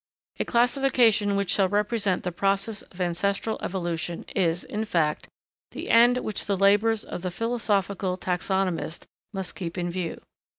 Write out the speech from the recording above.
A classification which shall represent the process of ancestral evolution is, in fact, the end which the labors of the philosophical taxonomist must keep in view.